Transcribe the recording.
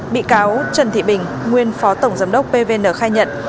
bị cáo trần thị bình nguyên phó tổng giám đốc pvn khai nhận